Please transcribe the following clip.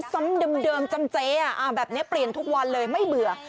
ซ้ำเดิมจำเจแบบนี้เปลี่ยนทุกวันเลยไม่เบื่อ